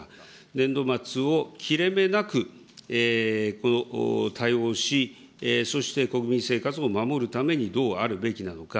年度末を切れ目なく対応し、そして国民生活を守るためにどうあるべきなのか。